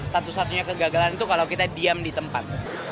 satu satunya kegagalan itu kalau kita diam di tempat